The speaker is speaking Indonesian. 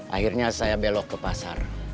akhirnya saya belok ke pasar